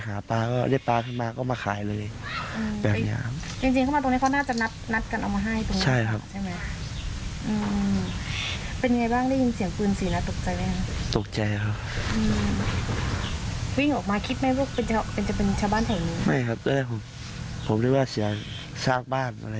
กลลี่นั่นจะเถียงทำไมใครครับ